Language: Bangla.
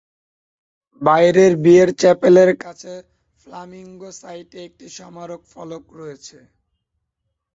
বাইরের বিয়ের চ্যাপেলের কাছে ফ্লামিঙ্গো সাইটে একটি স্মারক ফলক রয়েছে।